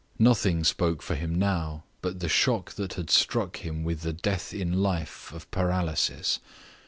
Nothing spoke for him now but the shock that had struck him with the death in life of paralysis.